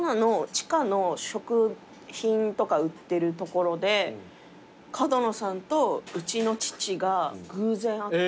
地下の食品とか売ってる所で角野さんとうちの父が偶然会った。